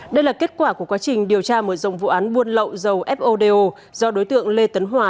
đây là kết quả của quá trình điều tra một dòng vụ án buôn lậu dầu fodo do đối tượng lê tấn hòa